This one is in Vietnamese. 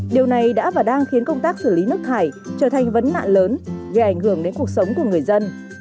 điều này đã và đang khiến công tác xử lý nước thải trở thành vấn nạn lớn gây ảnh hưởng đến cuộc sống của người dân